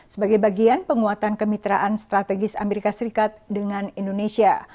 sebagai bagian penguatan kemitraan strategis amerika serikat dengan indonesia